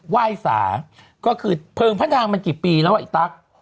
ไหว้สาก็คือเพลิงพระนางมันกี่ปีแล้วอ่ะไอ้ตั๊ก